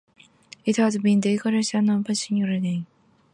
It has been declared as "not threatened" under the state conservation act.